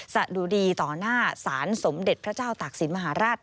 สะดุดีต่อหน้าศาลสมเด็จพระเจ้าตากศิลปมหาราช